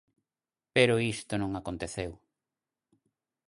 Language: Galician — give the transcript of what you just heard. Pero isto non aconteceu.